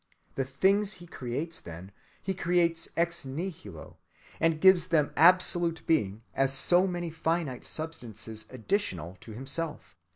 The things he creates, then, He creates ex nihilo, and gives them absolute being as so many finite substances additional to himself.